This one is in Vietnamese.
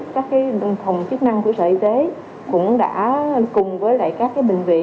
các cái đồng chức năng của sở y tế cũng đã cùng với lại các cái bệnh viện